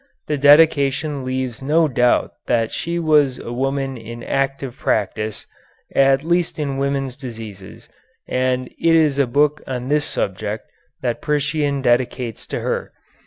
The dedication leaves no doubt that she was a woman in active practice, at least in women's diseases, and it is a book on this subject that Priscian dedicates to her.